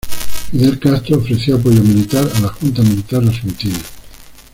Fidel Castro ofreció apoyo militar a la junta militar argentina.